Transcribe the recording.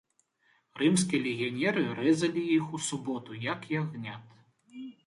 Рымскія легіянеры рэзалі іх у суботу, як ягнят.